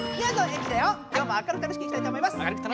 きょうも明るく楽しくいきたいと思います！